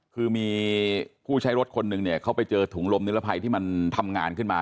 คือมีผู้ใช้รถคนหนึ่งเนี่ยเขาไปเจอถุงลมนิรภัยที่มันทำงานขึ้นมา